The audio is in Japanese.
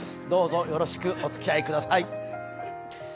どうぞよろしくおつきあいください。